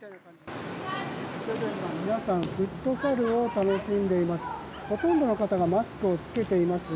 皆さん、フットサルを楽しんでいます。